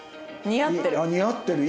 似合ってる。